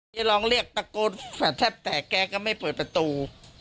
เฮียรองเรียกตะโกนแทบแกก็ไม่เปิดประตู